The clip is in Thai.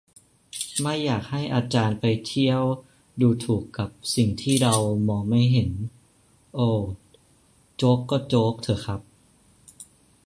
"ไม่อยากให้อาจารย์ไปเที่ยวดูถูกกับสิ่งที่เรามองไม่เห็น" โอว โจ๊กก็โจ๊กเถอะครับ